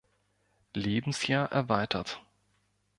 Lebensjahr erweitert.